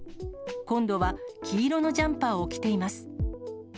今度は黄色のジャンパーを着ています。